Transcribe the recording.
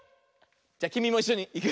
じゃきみもいっしょにいくよ。